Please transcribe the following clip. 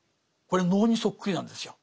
これ能にそっくりなんですよ。